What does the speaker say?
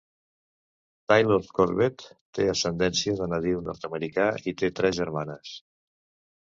Taylor-Corbett té ascendència de nadiu nord-americà i té tres germanes.